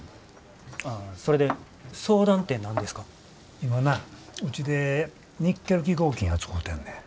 今なぁうちでニッケル基合金扱うてんねん。